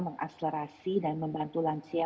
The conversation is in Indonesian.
mengakselerasi dan membantu lansia